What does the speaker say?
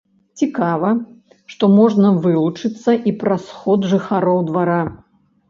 Цікава, што можна вылучыцца і праз сход жыхароў двара.